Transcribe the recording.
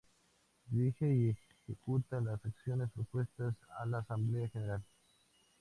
Dirige y ejecuta las acciones propuestas en la Asamblea General.